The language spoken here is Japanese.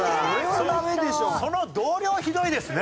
その同僚ひどいですね。